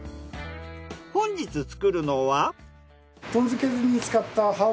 本日作るのは。